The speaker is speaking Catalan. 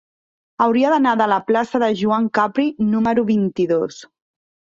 Hauria d'anar a la plaça de Joan Capri número vint-i-dos.